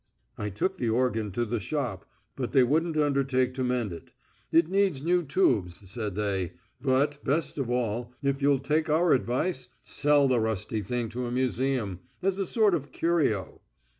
I took the organ to the shop, but they wouldn't undertake to mend it. 'It needs new tubes,' said they. 'But, best of all, if you'll take our advice, sell the rusty thing to a museum ... as a sort of curio....'